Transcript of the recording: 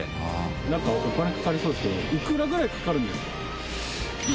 なんかお金かかりそうですけどいくらぐらいかかるんですか？